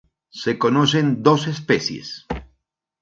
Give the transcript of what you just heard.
Se conocen dos especies.